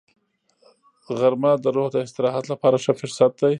غرمه د روح د استراحت لپاره ښه فرصت دی